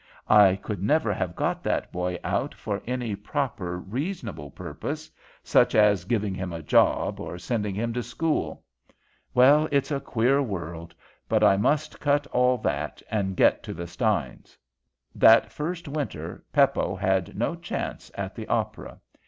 I could never have got that boy out for any proper, reasonable purpose, such as giving him a job or sending him to school. Well, it's a queer world! But I must cut all that and get to the Steins. "That first winter Peppo had no chance at the Opera.